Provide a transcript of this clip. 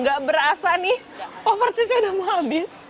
nggak berasa nih puffer cheese nya udah mau habis